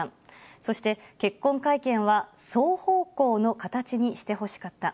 そして、結婚会見は双方向の形にしてほしかった。